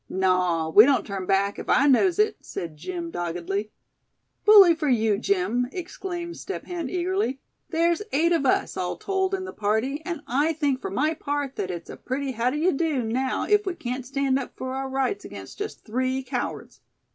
"Naw, we don't turn back, if I knows it," said Jim, doggedly. "Bully for you, Jim!" exclaimed Step Hen, eagerly. "There's eight of us, all told, in the party, and I think for my part that it's a pretty howd'yedo now if we can't stand up for our rights against just three cowards.